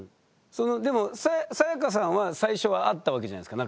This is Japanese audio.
でもサヤカさんは最初はあったわけじゃないですか。